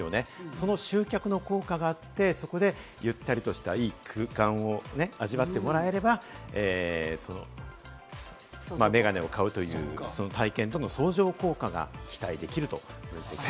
その集客の効果があって、そこでゆったりとした良い空間を味わってもらえれば、眼鏡を買うという体験との相乗効果が期待できるということです。